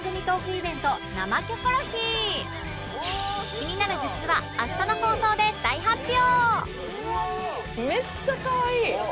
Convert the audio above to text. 気になるグッズは明日の放送で大発表！